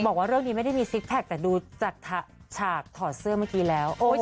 บอกว่าเรื่องนี้ไม่ได้มีซิกแพคแต่ดูจากฉากถอดเสื้อเมื่อกี้แล้ว